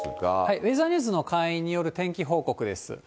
ウェザーニューズの会員による天気報告です。